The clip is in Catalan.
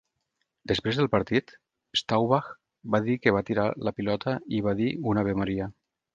Després del partit, Staubach va dir que va tirar la pilota i va dir un "Ave Maria".